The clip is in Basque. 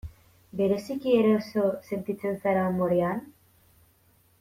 Bereziki eroso sentitzen zara umorean?